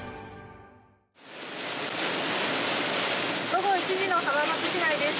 午後１時の浜松市内です。